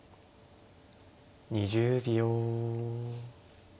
２０秒。